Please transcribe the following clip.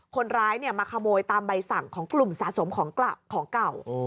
คนร้ายมาขโมยตามใบสั่งของกลุ่มสะสมของเก่า